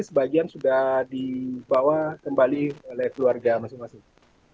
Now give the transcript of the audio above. sebagian sudah dibawa kembali oleh keluarga masing masing